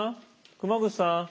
熊楠さん。